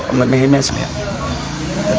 หมดไม่ให้มันแสนตอนตี้สี่ที่ห้า